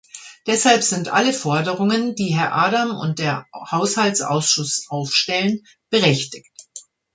Deshalb sind alle Forderungen, die Herr Adam und der Haushaltsausschuss aufstellen, berechtigt.